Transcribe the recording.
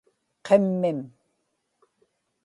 qimmim